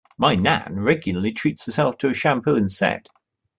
My nan regularly treats herself to a shampoo and set.